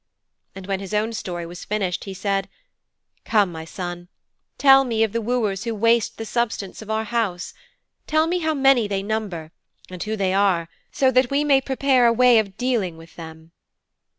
And when his own story was finished he said, 'Come, my son, tell me of the wooers who waste the substance of our house tell me how many they number, and who they are, so that we may prepare a way of dealing with them.'